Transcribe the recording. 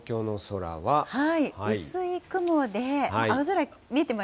薄い雲で、青空、見えてまし